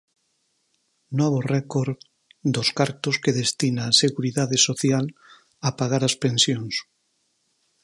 Novo récord dos cartos que destina a Seguridade Social a pagar as pensións.